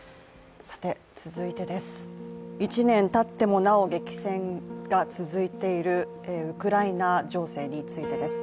１年たってもなお、激戦が続いているウクライナ情勢についてです。